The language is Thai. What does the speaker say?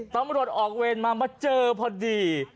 ตำรวจออกเวรมามาเจอพอดี